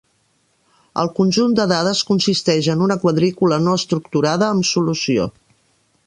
El conjunt de dades consisteix en una quadrícula no estructurada amb solució.